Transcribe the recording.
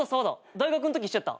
大学んとき一緒やった。